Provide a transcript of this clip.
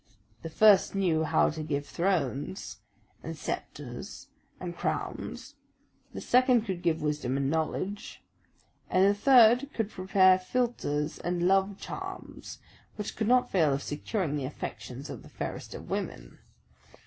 The first knew how to give thrones, and sceptres, and crowns; the second could give wisdom and knowledge; and the third could prepare philtres and love charms which could not fail of securing the affections of the fairest of women.